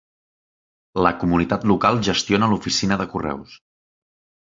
La comunitat local gestiona l'oficina de correus.